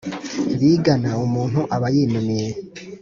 bigana; umuntu aba yinumiye